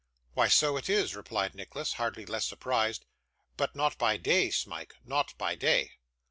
'Why, so it is,' replied Nicholas, hardly less surprised; 'but not by day, Smike not by day.